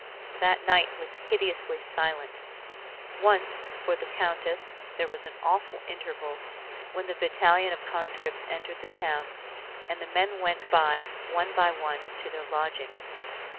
That night was hideously silent. Once, for the Countess, there was an awful interval, when the battalion of conscripts entered the town, and the men went by, one by one, to their lodgings.